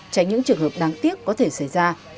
tránh những trường hợp đáng tiếc có thể xảy ra